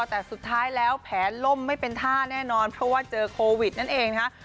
แต่สุดท้ายแล้วแผลล่มไม่เป็นท่าแน่นอนเพราะว่าเจอโควิดนั่นเองนะคะ